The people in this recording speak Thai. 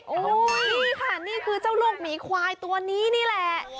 โอ้โหนี่ค่ะนี่คือเจ้าลูกหมีควายตัวนี้นี่แหละ